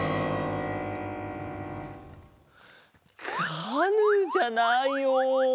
カヌーじゃないよ。